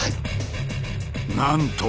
なんと！